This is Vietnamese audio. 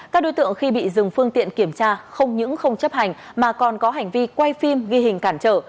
các đối tượng khi bị dừng phương tiện kiểm tra không những không chấp hành mà còn có hành vi quay phim ghi hình cản trở